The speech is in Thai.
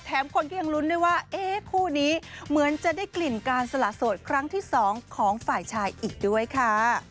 คนก็ยังลุ้นด้วยว่าเอ๊ะคู่นี้เหมือนจะได้กลิ่นการสละโสดครั้งที่๒ของฝ่ายชายอีกด้วยค่ะ